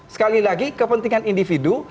sekali lagi kepentingan individu